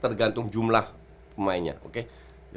tergantung jumlah pemainnya